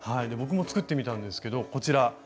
僕も作ってみたんですけどこちら。